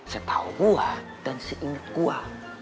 setau gua dan si ingoa